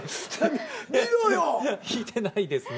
観てないですね。